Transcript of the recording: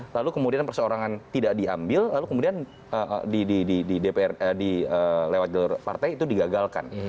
lalu kemudian perseorangan tidak diambil lalu kemudian di dpr lewat jalur partai itu digagalkan